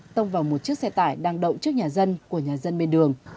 tông vào một chiếc xe tải đang đậu trước nhà dân của nhà dân bên đường